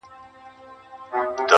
خو درد لا پاتې وي ډېر,